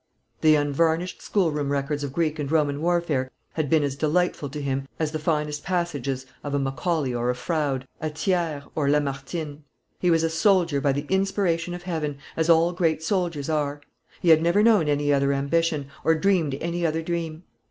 The unvarnished schoolroom records of Greek and Roman warfare had been as delightful to him as the finest passages of a Macaulay or a Froude, a Thiers or Lamartine. He was a soldier by the inspiration of Heaven, as all great soldiers are. He had never known any other ambition, or dreamed any other dream.